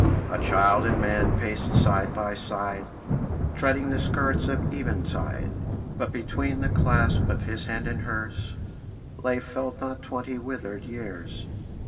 A child and man paced side by side, Treading the skirts of eventide; But between the clasp of his hand and hers Lay, felt not, twenty withered years.